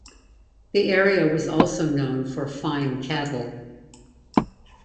The area was also known for "fine" cattle.